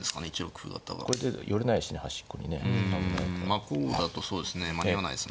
まあこうだとそうですね間に合わないですもんね。